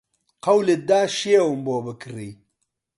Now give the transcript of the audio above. قەولت دا شێوم بۆ بکڕی